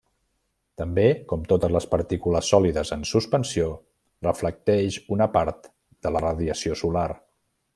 També, com totes les partícules sòlides en suspensió, reflecteix una part de la radiació solar.